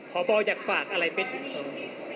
พ่อบอลอยากฝากอะไรเป็น